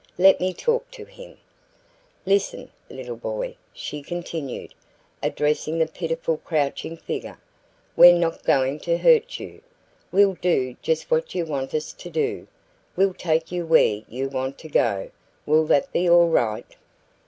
Let me talk to him: "Listen, little boy," she continued, addressing the pitiful crouching figure. "We're not going to hurt you. We'll do just what you want us to do. We'll take you where you want to go. Will that be all right?"